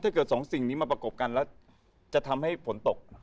ถ้าเกิดสองสิ่งนี้มาประกบกันแล้ว